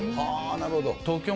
なるほど。